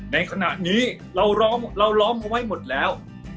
ในขณะนี้เราร้องเอาไว้หมดแล้ว